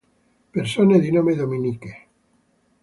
Persone di nome Dominique